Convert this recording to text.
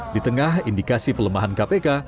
di tengah indikasi pelemahan kpk